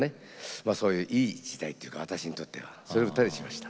そういういい時代っていうか私にとっては。それを歌にしました。